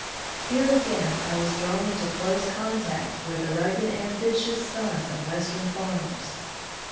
Here, again, I was thrown into close contact with the rugged, ambitious sons of western farmers.